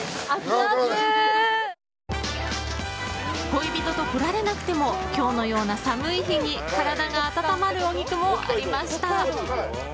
恋人と来られなくても今日のような寒い日に体が温まるお肉もありました。